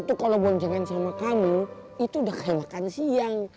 itu kalau boncengan sama kamu itu udah kayak makan siang